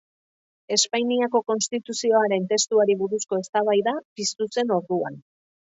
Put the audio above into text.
Espainiako Konstituzioaren testuari buruzko eztabaida piztu zen orduan.